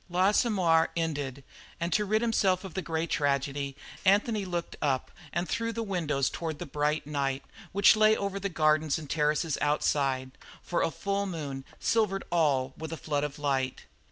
L'Assommoir ended, and to rid himself of the grey tragedy, Anthony looked up and through the windows toward the bright night which lay over the gardens and terraces outside, for a full moon silvered all with a flood of light.